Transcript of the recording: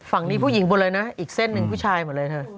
ฝั่งนี้ผู้หญิงหมดเลยนะอีกเส้นหนึ่งผู้ชายหมดเลยเธอ